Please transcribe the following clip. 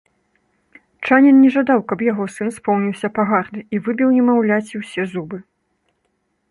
Чанін не жадаў, каб яго сын споўніўся пагарды, і выбіў немаўляці ўсе зубы.